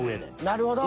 なるほど。